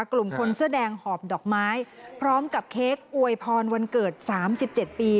กลุ่มคนเสื้อแดงหอบดอกไม้พร้อมกับเค้กอวยพรวันเกิด๓๗ปี